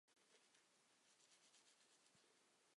日本动画协会正式会员。